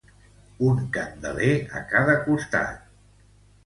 Un candeler a cada costat.